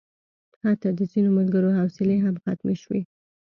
حتی د ځینو ملګرو حوصلې هم ختمې شوې.